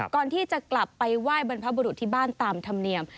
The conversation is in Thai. ก่อนที่จะกลับไปไหว้บรรพบุรุษที่บ้านตามธรรมเนียม